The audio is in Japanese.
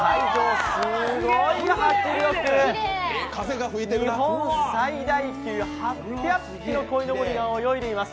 すごい迫力、日本最大級８００匹の鯉のぼりが泳いでいます。